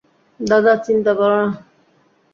দাদা, চিন্তা কোরো না।